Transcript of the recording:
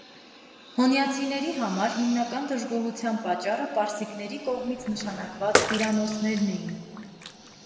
Հոնիացիների համար հիմնական դժգոհության պատճառը պարսիկների կողմից նշանակված տիրանոսներն էին։